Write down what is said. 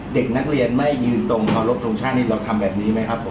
เด็กนักเรียนไม่ยืนตรงเคารพทงชาตินี้เราทำแบบนี้ไหมครับผม